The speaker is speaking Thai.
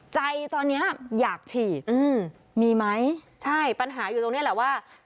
ใจตอนเนี้ยอยากฉีดอืมมีไหมใช่ปัญหาอยู่ตรงนี้แหละว่า